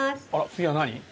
次は何？